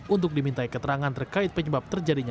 untuk dimintai keterangan terkait penyebab terjadinya